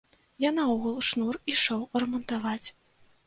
Я наогул шнур ішоў рамантаваць.